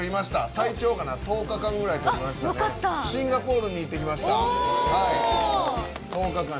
最長が１０日間くらいとりましてシンガポールに行ってきました。